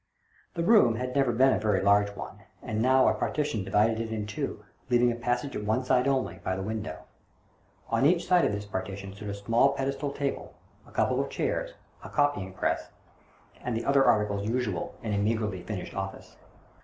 134 THE DOBBIN GTON DEED BOX The room had never been a very large one, and now a partition divided it in two, leaving a passage at one side only, by the window. On each side of this partition stood a small pedestal table, a couple of chairs, a copying pres^, and the other articles usual in a meagrely furnished office.